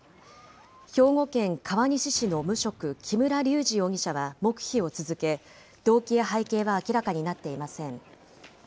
兵庫県川西市の無職、木村隆二容疑者は黙秘を続け、動機や背景は明らかになっていません。